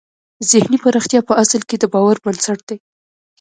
ذهني پراختیا په اصل کې د باور بنسټ دی